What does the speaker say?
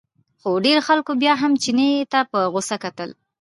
خو ډېرو خلکو بیا هم چیني ته په غوسه کتل.